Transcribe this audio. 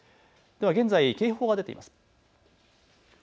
では現在警報が出ています。